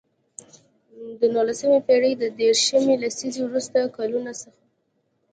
د نولسمې پېړۍ د دیرشمې لسیزې وروستیو کلونو څخه.